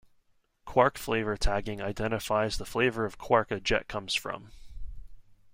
Quark flavor tagging identifies the flavor of quark a jet comes from.